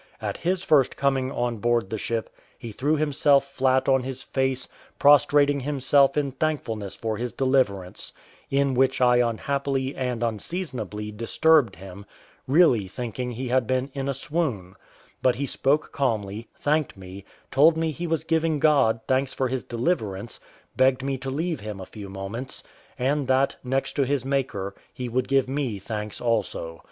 At his first coming on board the ship he threw himself flat on his face, prostrating himself in thankfulness for his deliverance, in which I unhappily and unseasonably disturbed him, really thinking he had been in a swoon; but he spoke calmly, thanked me, told me he was giving God thanks for his deliverance, begged me to leave him a few moments, and that, next to his Maker, he would give me thanks also.